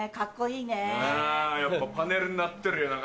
うんやっぱパネルになってるよな